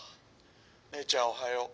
姉ちゃんおはよう。